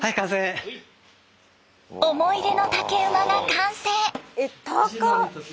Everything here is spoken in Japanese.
思い出の竹馬が完成！